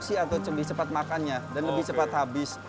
jadi kita reduksi atau lebih cepat makannya dan lebih cepat habis